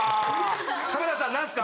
浜田さん何ですか。